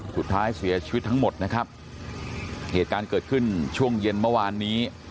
สุดท้ายเสียชีวิตทั้งหมดนะครับเหตุการณ์เกิดขึ้นช่วงเย็นเมื่อวานนี้